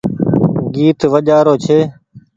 گيٽ وآجرو ڇي۔